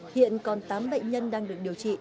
hiện còn tám bệnh nhân đang được điều trị